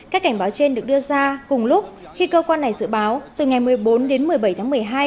các cảnh báo trên được đưa ra cùng lúc khi cơ quan này dự báo từ ngày một mươi bốn đến một mươi bảy tháng một mươi hai